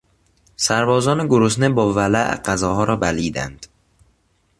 سربازان گرسنه با ولع غذاها را بلعیدند.